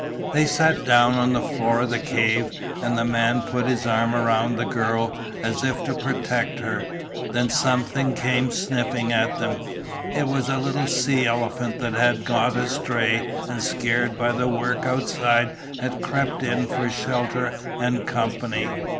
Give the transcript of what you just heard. They sat down on the floor of the cave and the man put his arm about the girl as if to protect her; then something came sniffing at them, it was a little sea elephant that had got astray and scared by the work outside had crept in for shelter and company.